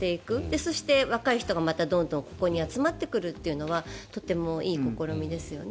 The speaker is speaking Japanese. そして、若い人がまたどんどんここに集まってくるのはとてもいい試みですよね。